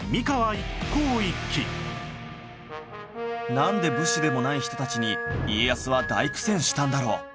なんで武士でもない人たちに家康は大苦戦したんだろう？